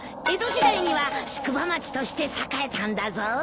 江戸時代には宿場町として栄えたんだぞ。